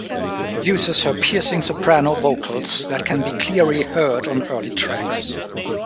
Uses her piercing soprano vocals that can be cleary heard on early tracks.